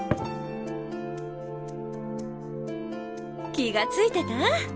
気が付いてた？